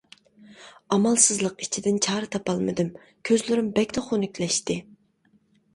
ئامالسىزلىق ئىچىدىن چارە تاپالمىدىم. كۆزلىرىم بەكلا خۇنۈكلەشتى.